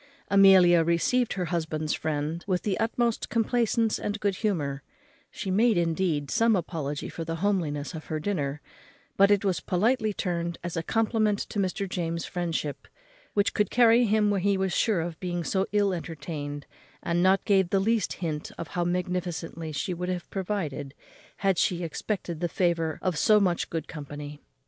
Amelia received her husband's friend with the utmost complaisance and good humour: she made indeed some apology for the homeliness of her dinner; but it was politely turned as a compliment to Mr. James's friendship, which could carry him where he was sure of being so ill entertained; and gave not the least hint how magnificently she would have provided _had she expected the favour of so much good company.